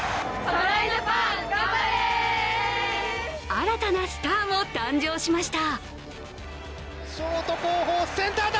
新たなスターも誕生しました。